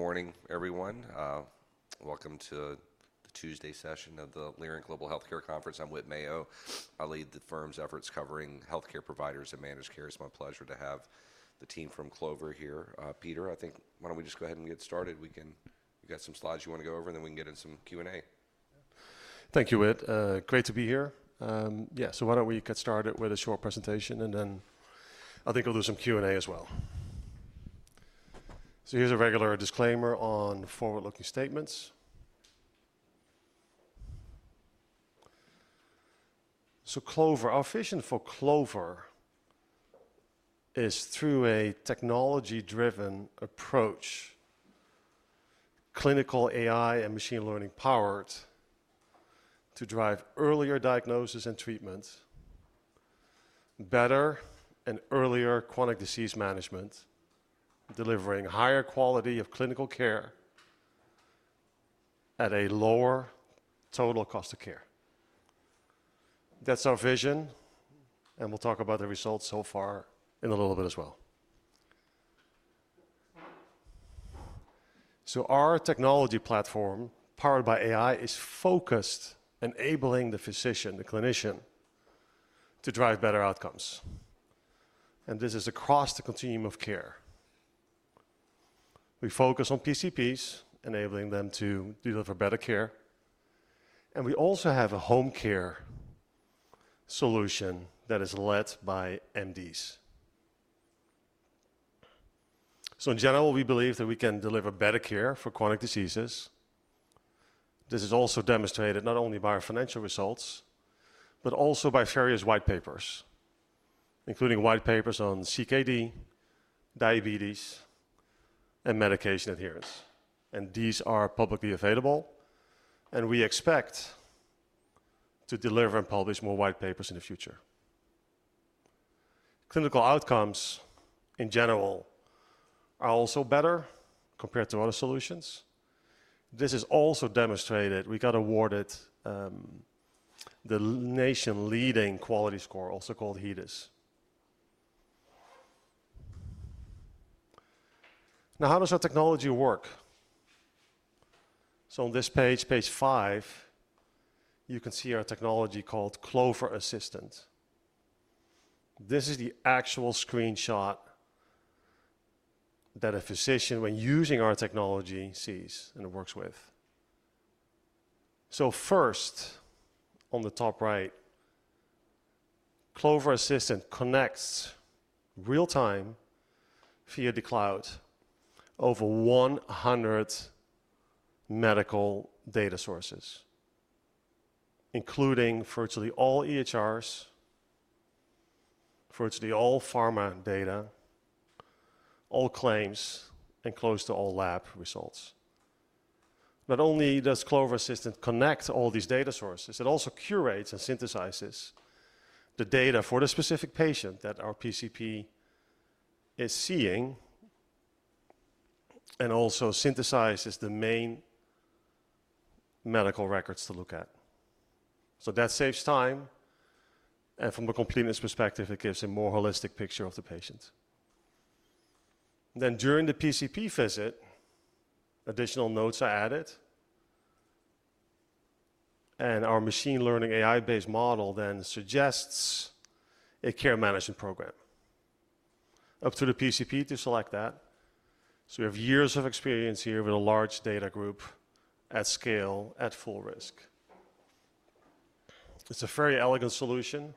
Good morning, everyone. Welcome to the Tuesday session of the Leerink Global Healthcare conference. I'm Whit Mayo. I lead the firm's efforts covering healthcare providers and managed care. It's my pleasure to have the team from Clover here. Peter, I think, why don't we just go ahead and get started? You got some slides you want to go over, and then we can get into some Q&A. Thank you, Whit. Great to be here. Yeah, so why don't we get started with a short presentation, and then I think we'll do some Q&A as well. Here's a regular disclaimer on forward-looking statements. Clover, our vision for Clover is through a technology-driven approach, clinical AI and machine learning powered to drive earlier diagnosis and treatment, better and earlier chronic disease management, delivering higher quality of clinical care at a lower total cost of care. That's our vision, and we'll talk about the results so far in a little bit as well. Our technology platform, powered by AI, is focused on enabling the physician, the clinician, to drive better outcomes. This is across the continuum of care. We focus on PCPs, enabling them to deliver better care. We also have a home care solution that is led by MDs. In general, we believe that we can deliver better care for chronic diseases. This is also demonstrated not only by our financial results, but also by various white papers, including white papers on CKD, diabetes, and medication adherence. These are publicly available, and we expect to deliver and publish more white papers in the future. Clinical outcomes in general are also better compared to other solutions. This is also demonstrated. We got awarded the nation-leading quality score, also called HEDIS. Now, how does our technology work? On this page, page five, you can see our technology called Clover Assistant. This is the actual screenshot that a physician, when using our technology, sees and works with. First, on the top right, Clover Assistant connects real-time via the cloud over 100 medical data sources, including virtually all EHRs, virtually all pharma data, all claims, and close to all lab results. Not only does Clover Assistant connect all these data sources, it also curates and synthesizes the data for the specific patient that our PCP is seeing and also synthesizes the main medical records to look at. That saves time, and from a completeness perspective, it gives a more holistic picture of the patient. During the PCP visit, additional notes are added, and our machine learning AI-based model then suggests a care management program up to the PCP to select that. We have years of experience here with a large data group at scale at full risk. It's a very elegant solution,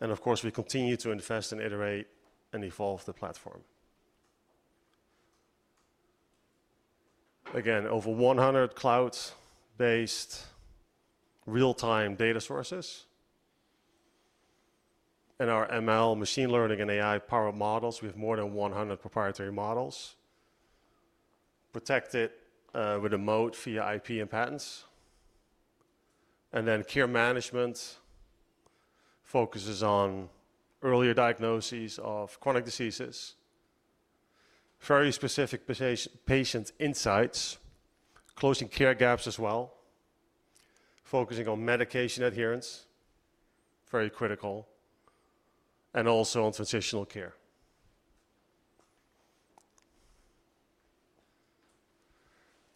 and of course, we continue to invest and iterate and evolve the platform. Again, over 100 cloud-based real-time data sources, and our ML, machine learning, and AI-powered models, we have more than 100 proprietary models protected with a moat via IP and patents. Care management focuses on earlier diagnoses of chronic diseases, very specific patient insights, closing care gaps as well, focusing on medication adherence, very critical, and also on transitional care.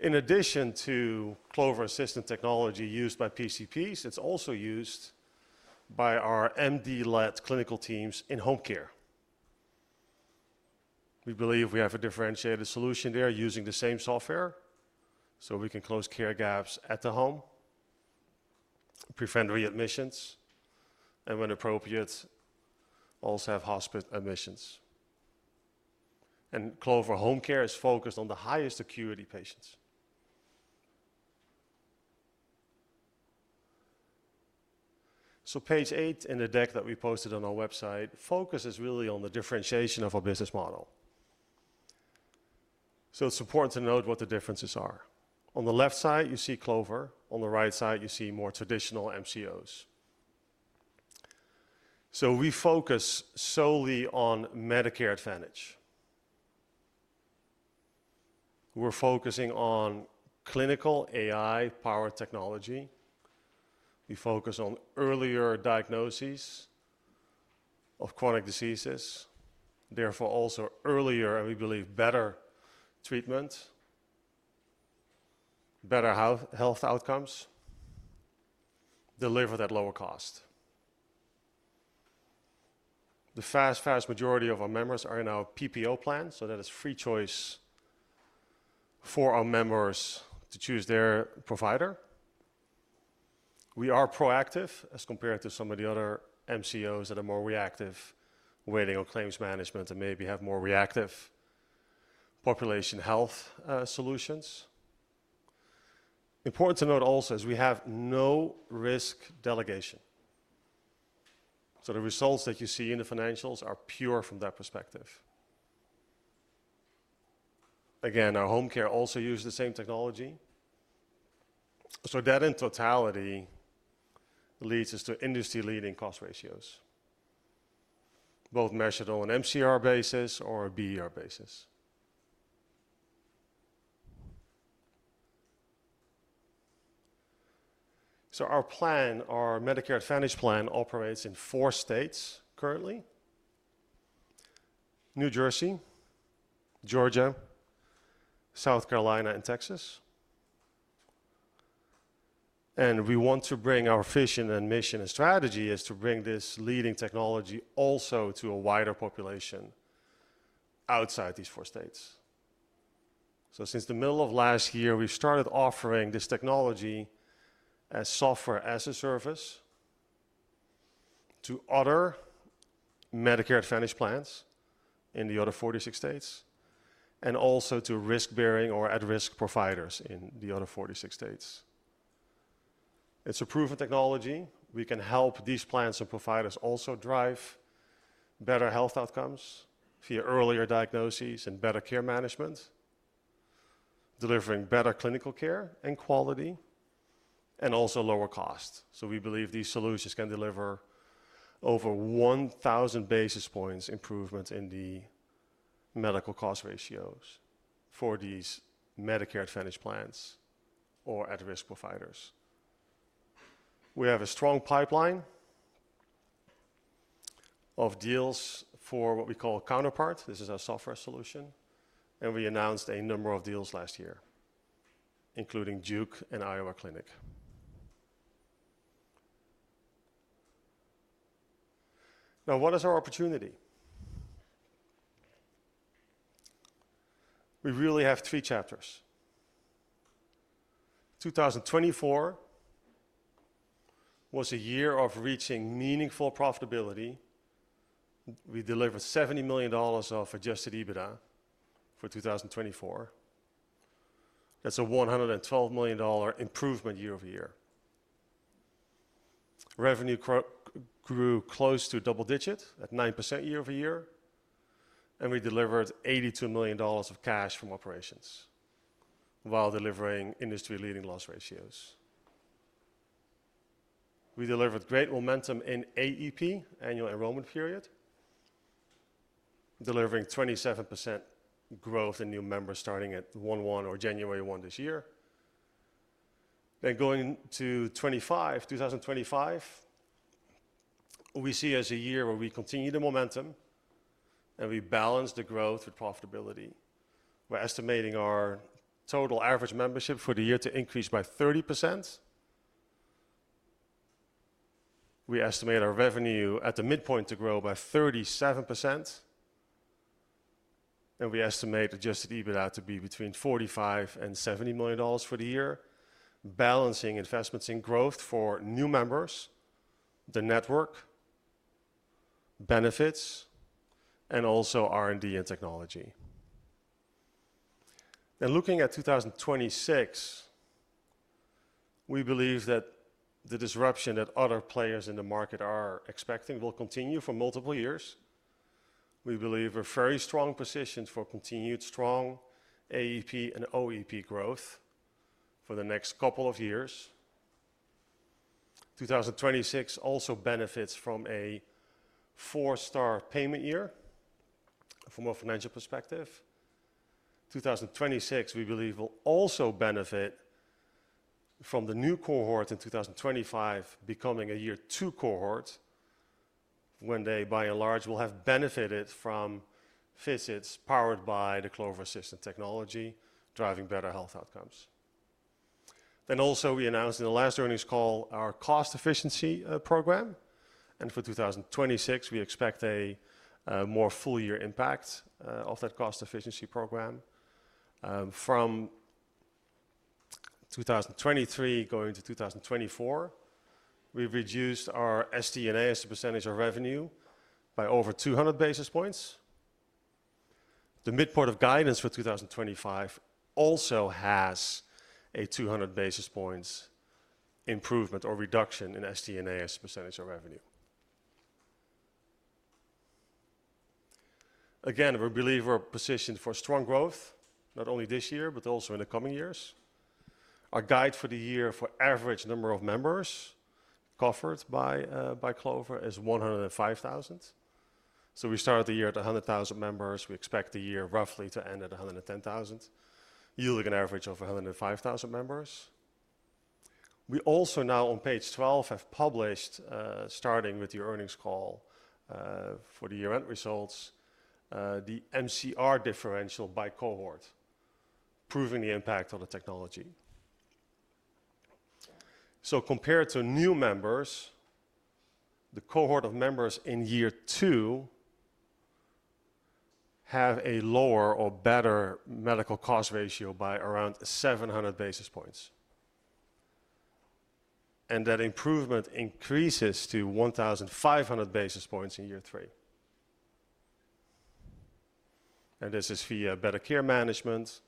In addition to Clover Assistant technology used by PCPs, it's also used by our MD-led clinical teams in home care. We believe we have a differentiated solution there using the same software so we can close care gaps at the home, prevent readmissions, and when appropriate, also have hospital admissions. Clover Home Care is focused on the highest acuity patients. Page eight in the deck that we posted on our website focuses really on the differentiation of our business model. It's important to note what the differences are. On the left side, you see Clover. On the right side, you see more traditional MCOs. We focus solely on Medicare Advantage. We're focusing on clinical AI-powered technology. We focus on earlier diagnoses of chronic diseases, therefore also earlier, and we believe, better treatments, better health outcomes, delivered at lower cost. The vast, vast majority of our members are in our PPO plan, so that is free choice for our members to choose their provider. We are proactive as compared to some of the other MCOs that are more reactive, waiting on claims management, and maybe have more reactive population health solutions. Important to note also is we have no risk delegation. The results that you see in the financials are pure from that perspective. Again, our home care also uses the same technology. That in totality leads us to industry-leading cost ratios, both measured on an MCR basis or a BER basis. Our plan, our Medicare Advantage plan, operates in four states currently: New Jersey, Georgia, South Carolina, and Texas. We want to bring our vision and mission and strategy is to bring this leading technology also to a wider population outside these four states. Since the middle of last year, we've started offering this technology as software as a service to other Medicare Advantage plans in the other 46 states and also to risk-bearing or at-risk providers in the other 46 states. It's a proven technology. We can help these plans and providers also drive better health outcomes via earlier diagnoses and better care management, delivering better clinical care and quality and also lower cost. We believe these solutions can deliver over 1,000 basis points improvement in the medical cost ratios for these Medicare Advantage plans or at-risk providers. We have a strong pipeline of deals for what we call Counterpart. This is our software solution, and we announced a number of deals last year, including Duke and Iowa Clinic. Now, what is our opportunity? We really have three chapters. 2024 was a year of reaching meaningful profitability. We delivered $70 million of adjusted EBITDA for 2024. That's a $112 million improvement year-over-year. Revenue grew close to double-digit at 9% year-over-year, and we delivered $82 million of cash from operations while delivering industry-leading loss ratios. We delivered great momentum in AEP, annual enrollment period, delivering 27% growth in new members starting at 1/1 or January 1 this year. Going to 2025, we see as a year where we continue the momentum and we balance the growth with profitability. We're estimating our total average membership for the year to increase by 30%. We estimate our revenue at the midpoint to grow by 37%, and we estimate adjusted EBITDA to be between $45 million-$70 million for the year, balancing investments in growth for new members, the network, benefits, and also R&D and technology. Looking at 2026, we believe that the disruption that other players in the market are expecting will continue for multiple years. We believe we're very strong positioned for continued strong AEP and OEP growth for the next couple of years. 2026 also benefits from a four-star payment year from a financial perspective. 2026, we believe, will also benefit from the new cohort in 2025 becoming a year two cohort when they, by and large, will have benefited from visits powered by the Clover Assistant technology, driving better health outcomes. We announced in the last earnings call our cost efficiency program. For 2026, we expect a more full-year impact of that cost efficiency program. From 2023 going to 2024, we reduced our SD&A as a percentage of revenue by over 200 basis points. The midpoint of guidance for 2025 also has a 200 basis points improvement or reduction in SD&A as a percentage of revenue. Again, we believe we're positioned for strong growth, not only this year, but also in the coming years. Our guide for the year for average number of members covered by Clover is 105,000. We started the year at 100,000 members. We expect the year roughly to end at 110,000, yielding an average of 105,000 members. We also now, on page 12, have published, starting with the earnings call for the year-end results, the MCR differential by cohort, proving the impact of the technology. Compared to new members, the cohort of members in year two have a lower or better medical cost ratio by around 700 basis points. That improvement increases to 1,500 basis points in year three. This is via better care management,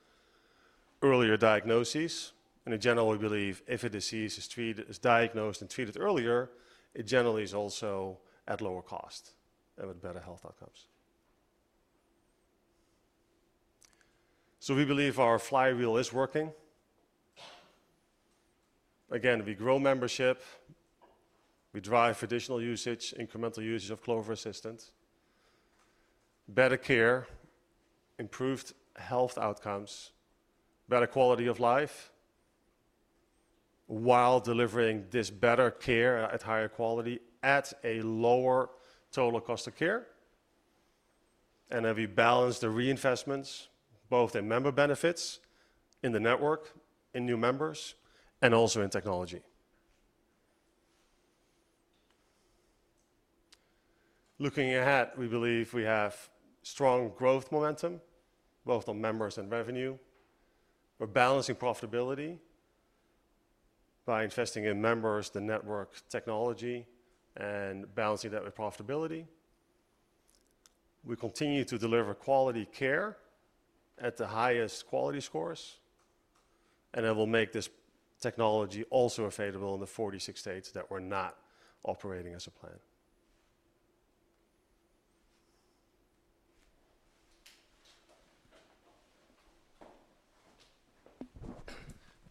earlier diagnoses. In general, we believe if a disease is diagnosed and treated earlier, it generally is also at lower cost and with better health outcomes. We believe our flywheel is working. Again, we grow membership. We drive additional usage, incremental usage of Clover Assistant, better care, improved health outcomes, better quality of life while delivering this better care at higher quality at a lower total cost of care. We balance the reinvestments, both in member benefits in the network, in new members, and also in technology. Looking ahead, we believe we have strong growth momentum, both on members and revenue. We're balancing profitability by investing in members, the network technology, and balancing that with profitability. We continue to deliver quality care at the highest quality scores, and we will make this technology also available in the 46 states that we're not operating as a plan.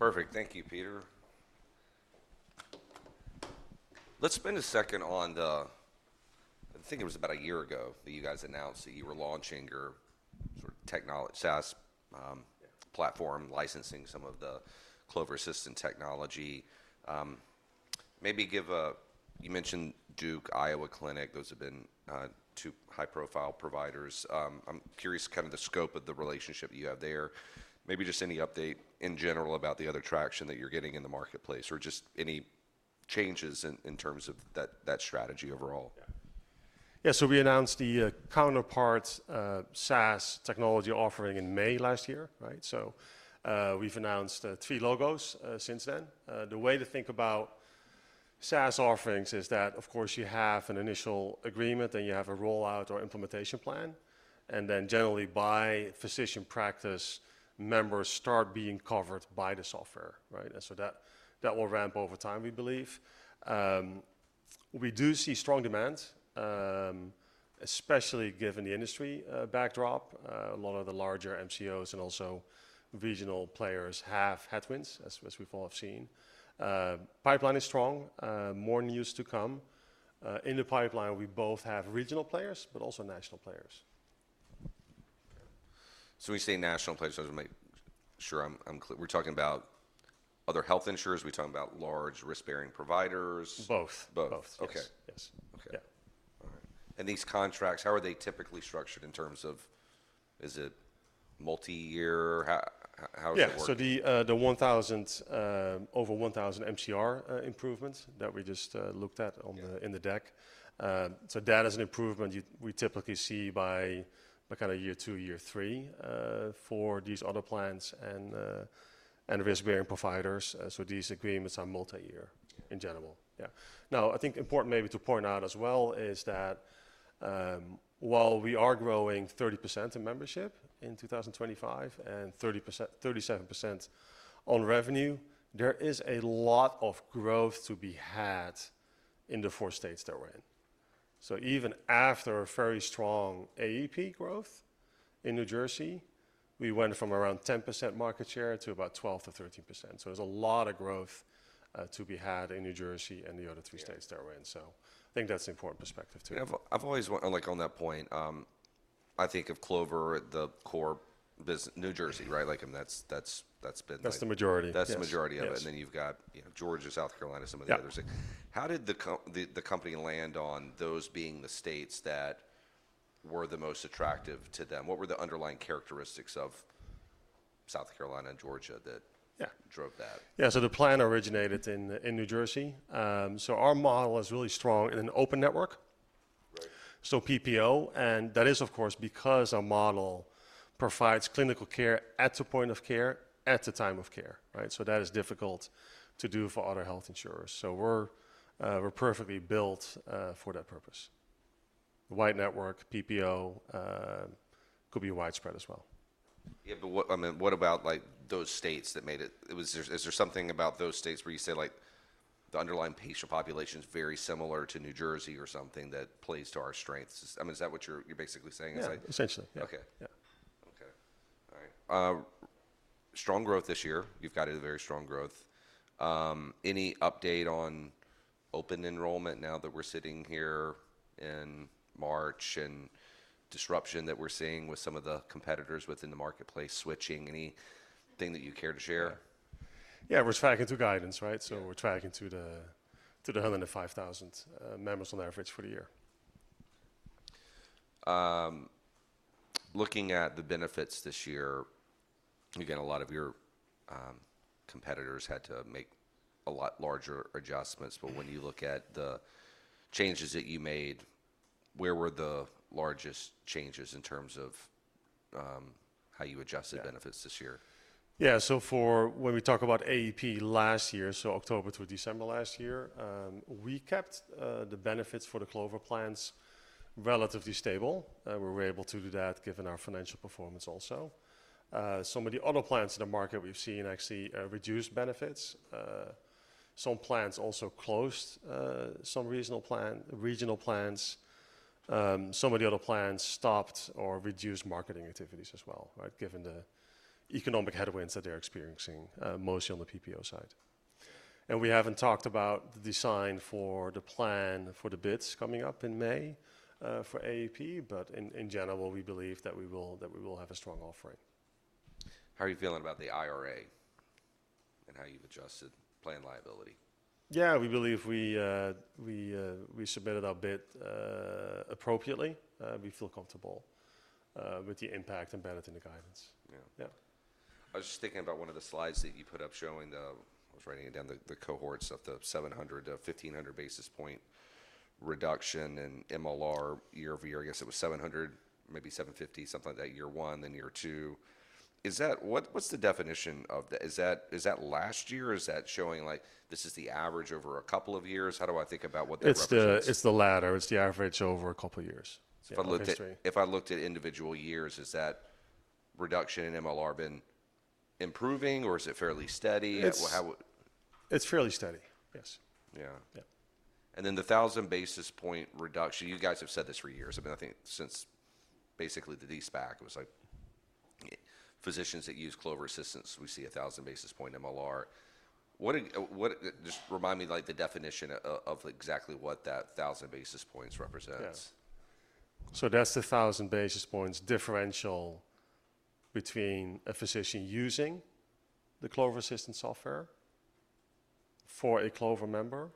Perfect. Thank you, Peter. Let's spend a second on the, I think it was about a year ago that you guys announced that you were launching your sort of SaaS platform, licensing some of the Clover Assistant technology. Maybe give a, you mentioned Duke, Iowa Clinic. Those have been two high-profile providers. I'm curious kind of the scope of the relationship you have there. Maybe just any update in general about the other traction that you're getting in the marketplace or just any changes in terms of that strategy overall. Yeah. We announced the Counterpart SaaS technology offering in May last year, right? We have announced three logos since then. The way to think about SaaS offerings is that, of course, you have an initial agreement, then you have a rollout or implementation plan, and then generally by physician practice, members start being covered by the software, right? That will ramp over time, we believe. We do see strong demand, especially given the industry backdrop. A lot of the larger MCOs and also regional players have headwinds, as we have all seen. Pipeline is strong. More news to come. In the pipeline, we both have regional players, but also national players. When you say national players, I'm sure we're talking about other health insurers, we're talking about large risk-bearing providers. Both. Both. Both. Yes. Yes. Okay. All right. These contracts, how are they typically structured in terms of, is it multi-year? How is that working? Yeah. The over 1,000 MCR improvements that we just looked at in the deck, that is an improvement we typically see by kind of year two, year three for these other plans and risk-bearing providers. These agreements are multi-year in general. Yeah. I think important maybe to point out as well is that while we are growing 30% in membership in 2025 and 37% on revenue, there is a lot of growth to be had in the four states that we're in. Even after a very strong AEP growth in New Jersey, we went from around 10% market share to about 12-13%. There is a lot of growth to be had in New Jersey and the other three states that we're in. I think that's an important perspective too. I've always wanted, like on that point, I think of Clover, the core New Jersey, right? Like that's been the. That's the majority. That's the majority of it. Then you've got Georgia, South Carolina, some of the others. How did the company land on those being the states that were the most attractive to them? What were the underlying characteristics of South Carolina and Georgia that drove that? Yeah. The plan originated in New Jersey. Our model is really strong in an open network, so PPO. That is, of course, because our model provides clinical care at the point of care, at the time of care, right? That is difficult to do for other health insurers. We're perfectly built for that purpose. The wide network, PPO could be widespread as well. Yeah. What about those states that made it? Is there something about those states where you say the underlying patient population is very similar to New Jersey or something that plays to our strengths? I mean, is that what you're basically saying? Yeah. Essentially. Yeah. Okay. Okay. All right. Strong growth this year. You've gotten a very strong growth. Any update on open enrollment now that we're sitting here in March and disruption that we're seeing with some of the competitors within the marketplace switching? Anything that you care to share? Yeah. We're tracking through guidance, right? We're tracking to the 105,000 members on average for the year. Looking at the benefits this year, again, a lot of your competitors had to make a lot larger adjustments. When you look at the changes that you made, where were the largest changes in terms of how you adjusted benefits this year? Yeah. When we talk about AEP last year, so October through December last year, we kept the benefits for the Clover plans relatively stable. We were able to do that given our financial performance also. Some of the other plans in the market we've seen actually reduced benefits. Some plans also closed some regional plans. Some of the other plans stopped or reduced marketing activities as well, right, given the economic headwinds that they're experiencing, mostly on the PPO side. We haven't talked about the design for the plan for the bids coming up in May for AEP, but in general, we believe that we will have a strong offering. How are you feeling about the IRA and how you've adjusted plan liability? Yeah. We believe we submitted our bid appropriately. We feel comfortable with the impact embedded in the guidance. Yeah. I was just thinking about one of the slides that you put up showing the, I was writing it down, the cohorts of the 700-1,500 basis point reduction in MLR year-over-year. I guess it was 700, maybe 750, something like that, year one, then year two. What's the definition of that? Is that last year? Is that showing like this is the average over a couple of years? How do I think about what that represents? It's the latter. It's the average over a couple of years. If I looked at individual years, has that reduction in MLR been improving or is it fairly steady? It's fairly steady. Yes. Yeah. And then the 1,000 basis point reduction, you guys have said this for years. I mean, I think since basically the dSPAC, it was like physicians that use Clover Assistant, we see 1,000 basis point MLR. Just remind me the definition of exactly what that 1,000 basis points represents. That's the 1,000 basis points differential between a physician using the Clover Assistant software for a Clover member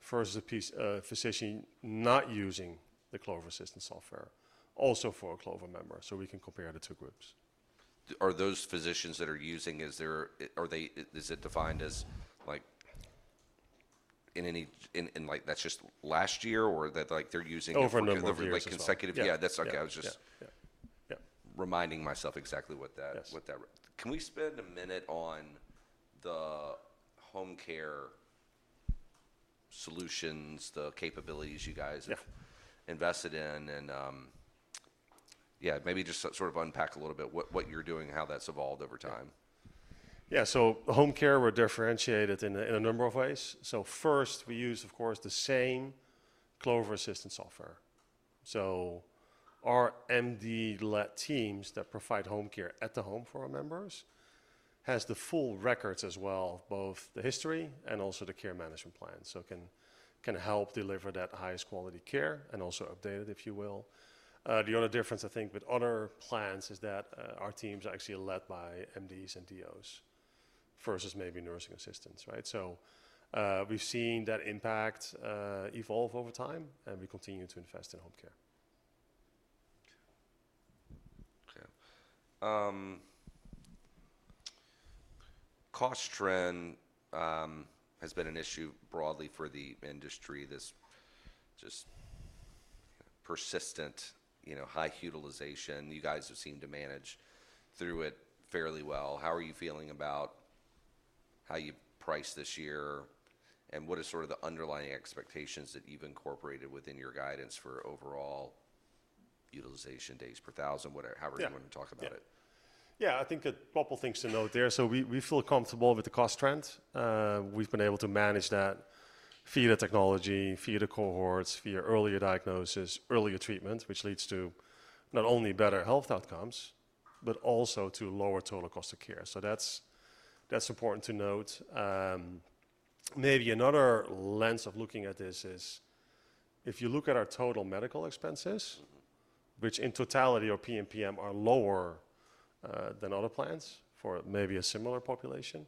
versus a physician not using the Clover Assistant software also for a Clover member. We can compare the two groups. Are those physicians that are using, is it defined as in any that's just last year or that they're using it over the consecutive? Over and over again. Yeah. That's okay. I was just reminding myself exactly what that. Can we spend a minute on the home care solutions, the capabilities you guys have invested in? Yeah, maybe just sort of unpack a little bit what you're doing and how that's evolved over time. Yeah. Home care, we're differentiated in a number of ways. First, we use, of course, the same Clover Assistant software. Our MD-led teams that provide home care at the home for our members have the full records as well, both the history and also the care management plan. It can help deliver that highest quality care and also update it, if you will. The other difference, I think, with other plans is that our teams are actually led by MDs and DOs versus maybe nursing assistants, right? We've seen that impact evolve over time, and we continue to invest in home care. Okay. Cost trend has been an issue broadly for the industry. This just persistent high utilization, you guys have seemed to manage through it fairly well. How are you feeling about how you priced this year? What are sort of the underlying expectations that you've incorporated within your guidance for overall utilization days per thousand? However you want to talk about it. Yeah. I think a couple of things to note there. We feel comfortable with the cost trend. We've been able to manage that via technology, via cohorts, via earlier diagnosis, earlier treatment, which leads to not only better health outcomes, but also to lower total cost of care. That's important to note. Maybe another lens of looking at this is if you look at our total medical expenses, which in totality or PMPM are lower than other plans for maybe a similar population,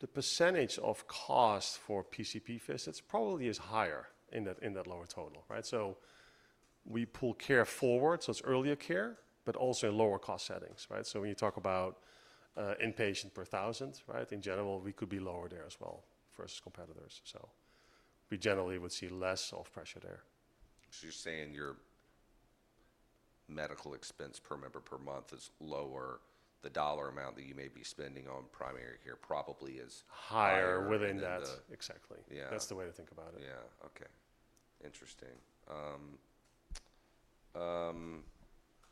the percentage of cost for PCP visits probably is higher in that lower total, right? We pull care forward. It's earlier care, but also in lower cost settings, right? When you talk about inpatient per thousand, right? In general, we could be lower there as well versus competitors. We generally would see less of pressure there. You're saying your medical expense per member per month is lower. The dollar amount that you may be spending on primary care probably is. Higher within that. Exactly. That's the way to think about it. Yeah. Okay. Interesting.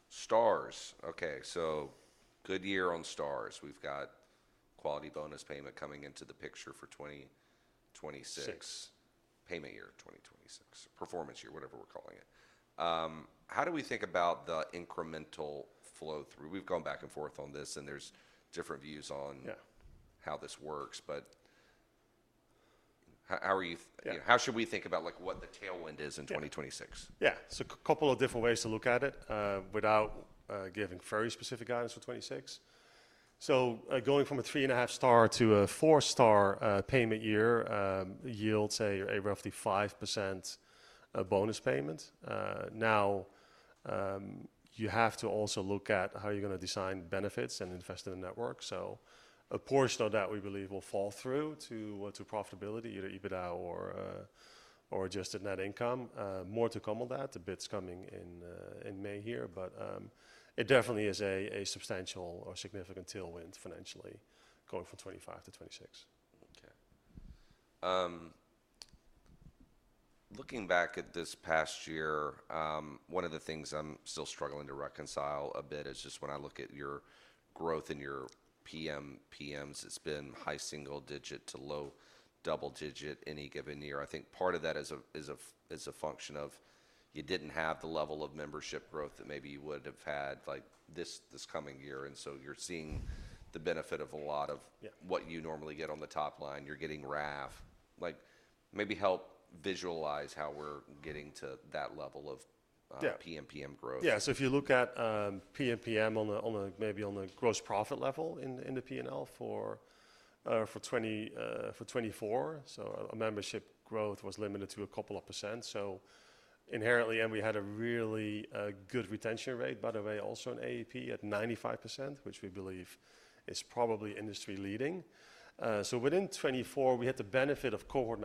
Stars. Okay. So good year on Stars. We've got quality bonus payment coming into the picture for 2026. Payment year, 2026. Performance year, whatever we're calling it. How do we think about the incremental flow through? We've gone back and forth on this, and there's different views on how this works, but how should we think about what the tailwind is in 2026? Yeah. A couple of different ways to look at it without giving very specific guidance for 2026. Going from a three and a half star to a four star payment year yields a roughly 5% bonus payment. Now, you have to also look at how you're going to design benefits and invest in the network. A portion of that we believe will fall through to profitability, either EBITDA or adjusted net income. More to come on that. The bid's coming in May here, but it definitely is a substantial or significant tailwind financially going from 2025 to 2026. Okay. Looking back at this past year, one of the things I'm still struggling to reconcile a bit is just when I look at your growth in your PMPMs, it's been high single digit to low double digit any given year. I think part of that is a function of you didn't have the level of membership growth that maybe you would have had this coming year. You're seeing the benefit of a lot of what you normally get on the top line. You're getting RAF. Maybe help visualize how we're getting to that level of PMPM growth. Yeah. If you look at PMPM maybe on the gross profit level in the P&L for 2024, our membership growth was limited to a couple of percent. Inherently, we had a really good retention rate, by the way, also in AEP at 95%, which we believe is probably industry leading. Within 2024, we had the benefit of cohort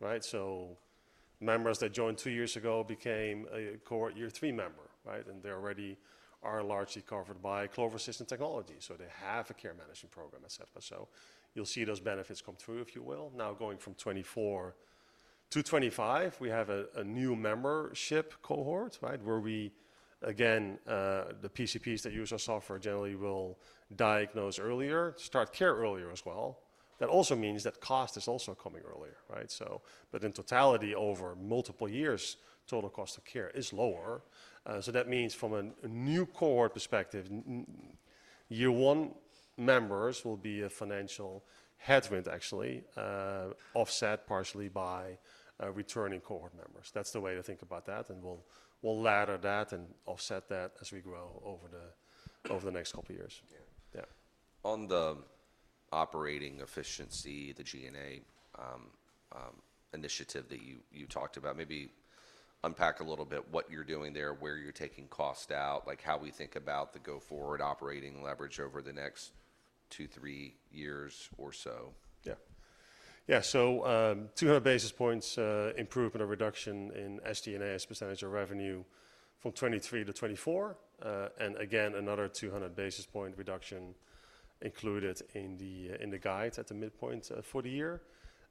management, right? Members that joined two years ago became a cohort year three member, right? They already are largely covered by Clover Assistant technology. They have a care management program, etc. You will see those benefits come through, if you will. Now, going from 2024 to 2025, we have a new membership cohort, right? The PCPs that use our software generally will diagnose earlier, start care earlier as well. That also means that cost is also coming earlier, right? In totality, over multiple years, total cost of care is lower. That means from a new cohort perspective, year one members will be a financial headwind, actually, offset partially by returning cohort members. That's the way to think about that. We'll ladder that and offset that as we grow over the next couple of years. Yeah. On the operating efficiency, the G&A initiative that you talked about, maybe unpack a little bit what you're doing there, where you're taking cost out, like how we think about the go forward operating leverage over the next two, three years or so. Yeah. Yeah. So 200 basis points improvement or reduction in SD&A as percentage of revenue from 2023 to 2024. Again, another 200 basis point reduction included in the guide at the midpoint for the year.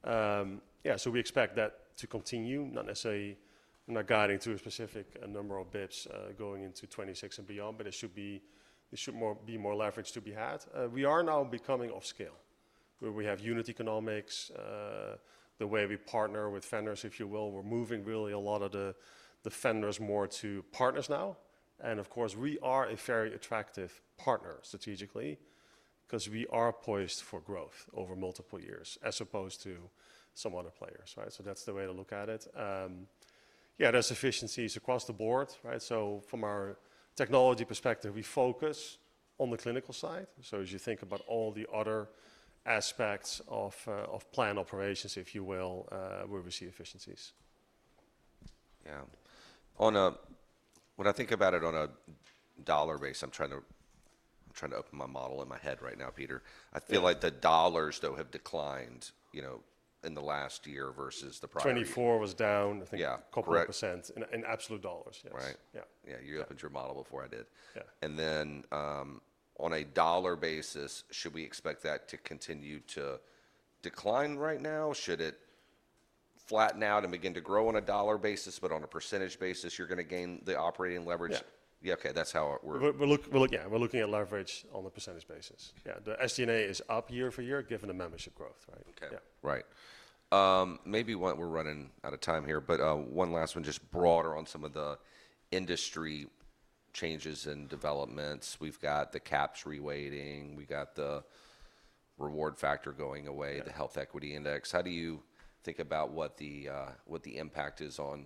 Yeah. We expect that to continue, not necessarily guiding to a specific number of basis points going into 2026 and beyond, but there should be more leverage to be had. We are now becoming off scale where we have unit economics, the way we partner with vendors, if you will. We're moving really a lot of the vendors more to partners now. Of course, we are a very attractive partner strategically because we are poised for growth over multiple years as opposed to some other players, right? That's the way to look at it. Yeah. There's efficiencies across the board, right? From our technology perspective, we focus on the clinical side. As you think about all the other aspects of plan operations, if you will, where we see efficiencies. Yeah. When I think about it on a dollar base, I'm trying to open my model in my head right now, Peter. I feel like the dollars, though, have declined in the last year versus the prior year. 24 was down, I think, a couple of percent in absolute dollars. Yes. Right. Yeah. You opened your model before I did. And then on a dollar basis, should we expect that to continue to decline right now? Should it flatten out and begin to grow on a dollar basis, but on a percentage basis, you're going to gain the operating leverage? Yeah. Yeah. Okay. That's how we're. Yeah. We're looking at leverage on the percentage basis. Yeah. The SD&A is up year for year given the membership growth, right? Okay. Right. Maybe we're running out of time here, but one last one, just broader on some of the industry changes and developments. We've got the caps reweighting. We've got the reward factor going away, the health equity index. How do you think about what the impact is on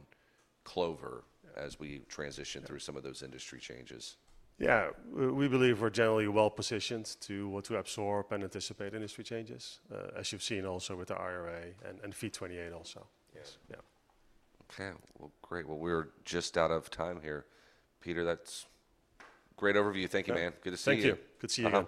Clover as we transition through some of those industry changes? Yeah. We believe we're generally well positioned to absorb and anticipate industry changes, as you've seen also with the IRA and FEET 28 also. Yeah. Okay. Great. We're just out of time here. Peter, that's a great overview. Thank you, man. Good to see you. Thank you. Good to see you.